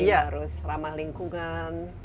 terus ramah lingkungan